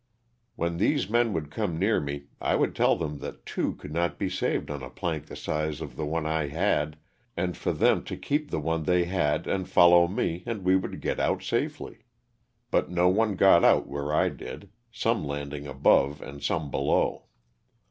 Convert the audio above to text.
When these men would come near me I would tell them that two could not be saved on a plank the size of the one I had and for them to keep the one they had and fol low me and we would get out safely; but no one got out where I did, some landing above and some below.